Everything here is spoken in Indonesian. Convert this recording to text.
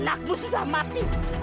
aku sudah hilang mata itu